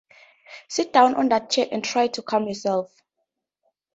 Sit down on that chair and try to calm yourself.